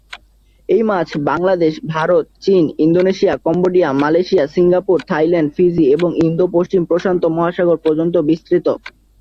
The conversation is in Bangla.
এই মাছ বাংলাদেশ, ভারত, চীন, Indonesia, Cambodia, Malaysia, Singapore, Thailand, Fiji এবং ইন্দো-পশ্চিম প্রশান্ত মহাসাগর পর্যন্ত বিস্তৃত।